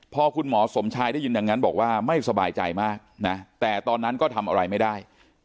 พอคุณหมอสมชายได้ยินดังนั้นบอกว่าไม่สบายใจมากนะแต่ตอนนั้นก็ทำอะไรไม่ได้